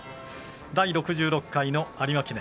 第６６回有馬記念。